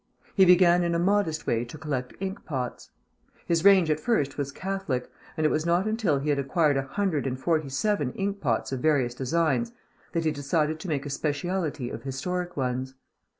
He began in a modest way to collect ink pots. His range at first was catholic, and it was not until he had acquired a hundred and forty seven ink pots of various designs that he decided to make a speciality of historic ones.